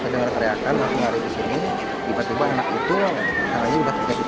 terus itu eskalator bawah atau ke atas